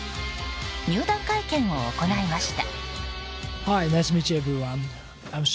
入団会見を行いました。